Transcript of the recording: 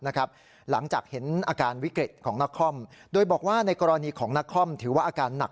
นะครับหลังจากเห็นอาการวิกฤติของนักคอมโดยบอกว่าในกรณีของนักคอมถือว่าการ